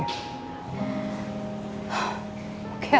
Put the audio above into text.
aku akan coba ikutin saran kamu